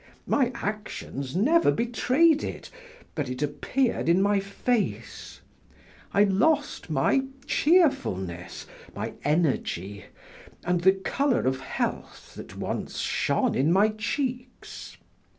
My actions never betrayed it, but it appeared in my face: I lost my cheerfulness, my energy, and the color of health that once shone in my cheeks.